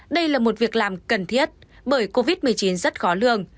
đây là một việc làm cần thiết bởi covid một mươi chín rất khó lường